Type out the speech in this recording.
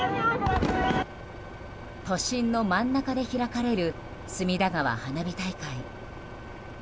都心の真ん中で開かれる隅田川花火大会。